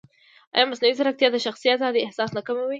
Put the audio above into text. ایا مصنوعي ځیرکتیا د شخصي ازادۍ احساس نه کموي؟